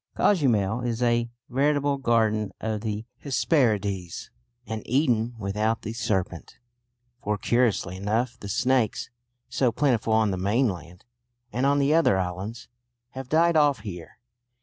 Cozumel is a veritable Garden of the Hesperides an Eden without the serpent, for curiously enough the snakes, so plentiful on the mainland and on the other islands, have died off here.